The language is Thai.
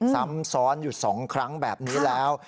ซ้ำซ้อนอยู่๒ครั้งแบบนี้แล้ว